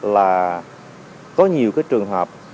là có nhiều cái trường hợp